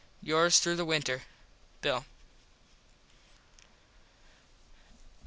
Yours through the winter, Bill.